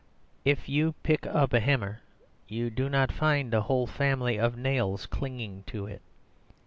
If you pick up a hammer, you do not find a whole family of nails clinging to it.